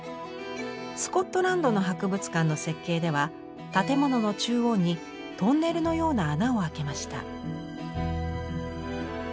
スコットランドの博物館の設計では建物の中央にトンネルのような孔をあけました。